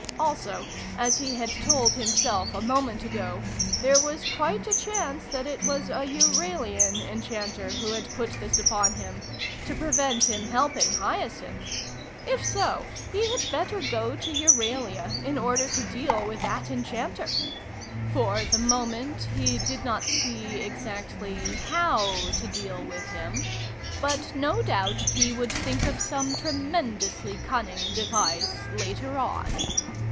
Also, as he had told himself a moment ago, there was quite a chance that it was a Euralian enchanter who had put this upon him to prevent him helping Hyacinth. If so, he had better go to Euralia in order to deal with that enchanter. For the moment, he did not see exactly how to deal with him, but no doubt he would think of some tremendously cunning device later on.